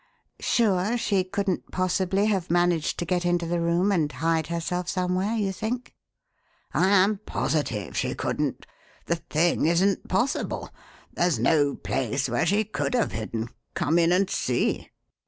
Sure she couldn't possibly have managed to get into the room and hide herself somewhere, you think?" "I am positive she couldn't. The thing isn't possible. There's no place where she could have hidden. Come in and see."